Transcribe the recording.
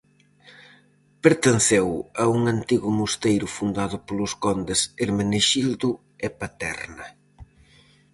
Pertenceu a un antigo mosteiro fundado polos condes Hermenexildo e Paterna.